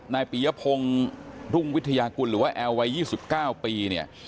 นายปียพงศ์รุ่งวิทยากุลหรือว่าแอลวัย๒๙ปีเนี่ย